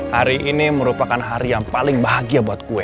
hari ini merupakan hari yang paling bahagia buat kue